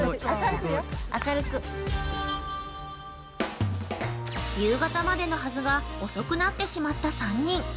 ◆夕方までのはずが、遅くなってしまった３人。